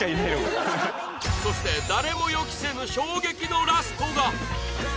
そして誰も予期せぬ衝撃のラストが！